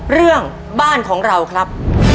เรื่องบ้านของเราครับ